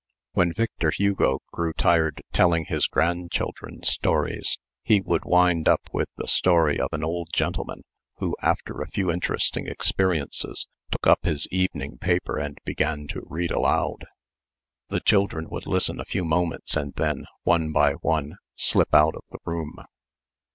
When Victor Hugo grew tired telling his grandchildren stories, he would wind up with the story of an old gentleman who, after a few interesting experiences, took up his evening paper and began to read aloud. The children would listen a few moments and then, one by one, slip out of the room.